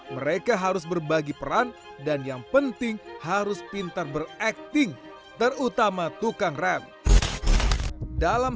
mereka harus berbagi peran dan yang penting harus pintar berakting terutama tukang rem dalam